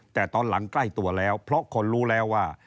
แต่ตอนหลังใกล้ตัวแล้วเพราะคนรู้แล้วว่า